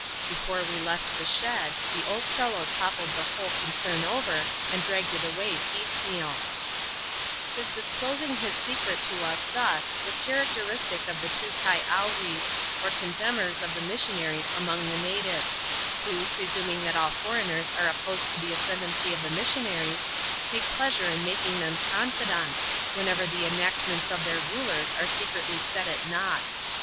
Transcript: Before we left the shed, the old fellow toppled the whole concern over, and dragged it away piecemeaL His disclosing his secret to us thus was characteristic of thei " Tootai Owrees," or contemners of the mia6ionfixl&% %sa«OTk!^'<SQfc natives ; who, presuming that all foreigiiet^ «Ji^ o^^Ci^^^^*^^^^^^ T5 j 278 ADVENTURES IN THE SOUTH SEAS. [cHAP.Lxm ascendencj of the missionaries, take pleasure in making them confidants, whenever the enactments of their rulers are secretly set at nought.